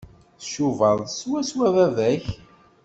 Tcubaḍ swaswa baba-k.